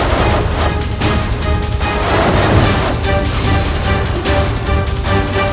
lagu ini dari ototmu